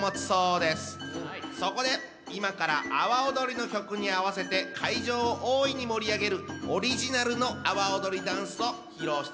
そこで今から阿波おどりの曲に合わせて会場を大いに盛り上げるオリジナルの阿波おどりダンスを披露していただきます。